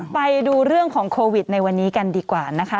ไปดูเรื่องของโควิดในวันนี้กันดีกว่านะคะ